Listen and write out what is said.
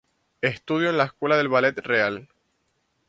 Estudió en la Escuela del Ballet Real.